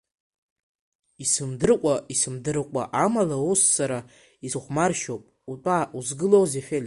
Исымдыркәа, исымдыркәа, амала, ус сара исыхәмаршьоуп, утәа, узгылоузеи, Феликс!